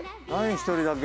１人だけ。